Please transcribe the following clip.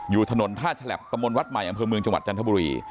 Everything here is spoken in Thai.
อยู่ถนนท่าฉลับตะมนต์วัดใหม่อำเภอเมืองจังหวัดจันทบุรี